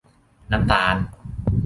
น้ำตาล